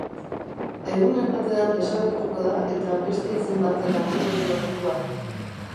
Egunen batean desagertuko da eta beste hitzen batek hartuko dio lekua.